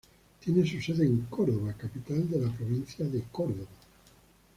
Tiene su sede en Córdoba, capital de la provincia de Córdoba.